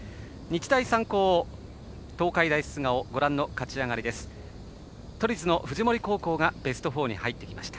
日大三高、東海大菅生ご覧の勝ち上がりです。